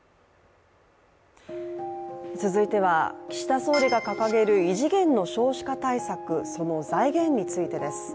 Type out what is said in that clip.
続いては、岸田総理が掲げる異次元の少子化対策、その財源についてです。